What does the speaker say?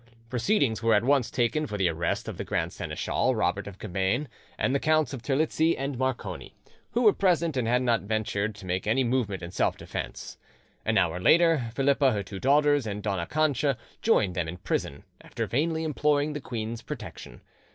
Proceedings were at once taken for the arrest of the grand seneschal, Robert of Cabane, and the Counts of Terlizzi and Morcone, who were present and had not ventured to make any movement in self defence. An hour later, Philippa, her two daughters, and Dona Cancha joined them in prison, after vainly imploring the queen's protection.